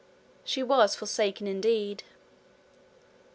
She was forsaken indeed!